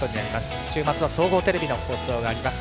週末は総合テレビの放送があります。